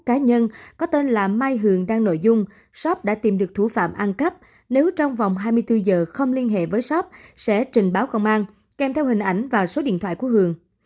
cá nhân có tên là mai hường đăng nội dung shop đã tìm được thủ phạm ăn cắp nếu trong vòng hai mươi bốn giờ không liên hệ với shop sẽ trình báo công an kèm theo hình ảnh và số điện thoại của hường